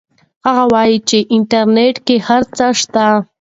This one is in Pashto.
هغه وایي چې انټرنیټ کې هر څه شته.